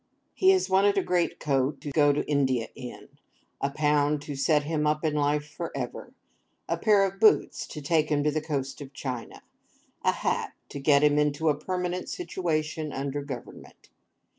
He has wanted a greatcoat, to go to India in; a pound to set him up in life for ever; a pair of boots to take him to the coast of China; a hat to get him into a permanent situation under Government.